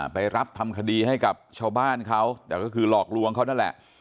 ไปรับทำคดีให้กับชาวบ้านเขาแต่ก็คือหลอกลวงเขานั่นแหละ